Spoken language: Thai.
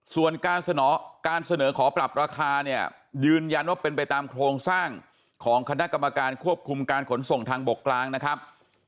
ส่วนการเสนอขอปรับราคาเนี่ยยืนยันว่าเป็นไปตามโครงสร้างของคณะกรรมการควบคุมการขนส่งทางบกกลางนะครับ